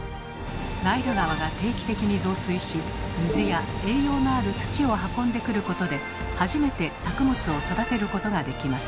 ナイル川が定期的に増水し水や栄養のある土を運んでくることで初めて作物を育てることができます。